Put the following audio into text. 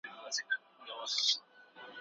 انسان کولای سي د خپل ځان لپاره خوندي ځای پيدا کړي.